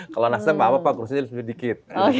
kalau nasdem apa apa pak kursinya lebih dikit